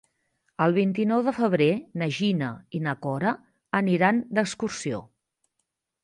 El vint-i-nou de febrer na Gina i na Cora aniran d'excursió.